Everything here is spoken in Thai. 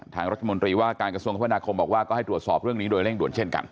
ทางรัฐมนตรีว่าการกระทรวงคมนาคมบอกว่าก็ให้ตรวจสอบเรื่องนี้โดยเร่งด่วนเช่นกัน